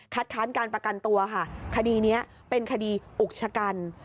ค้านการประกันตัวค่ะคดีนี้เป็นคดีอุกชะกัน